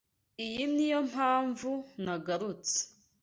Iyi niyo mpamvu nagarutse.